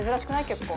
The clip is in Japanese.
結構。